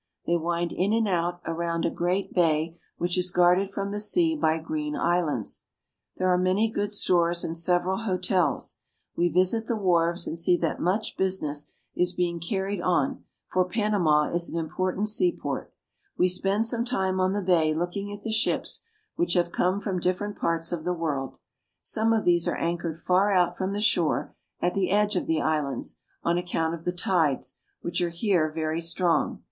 They wind in and out around a great bay which is guarded from the sea by green islands. There are many good stores, and several hotels. We visit the wharves and see that much business is being car ried on, for Panama is an important seaport. We spend some time on the bay looking at the ships which have ACROSS PANAMA. 29 Cathedral, Panama. come from different parts of the world. Some of these are anchored far out from the shore, at the edge of the islands, on account of the tides, which are here very strong.